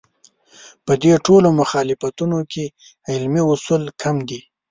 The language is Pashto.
په دې ټولو مخالفتونو کې علمي اصول کم دي.